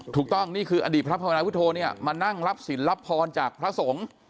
ถูกต้องนี่คืออดีตพระพาวนาพุทธโธมานั่งรับศิลปธรรมจากพระสงฆ์